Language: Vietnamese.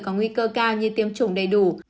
có nguy cơ cao như tiêm chủng đầy đủ